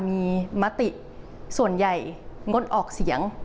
มีมติส่วนใหญ่งดออกเสียง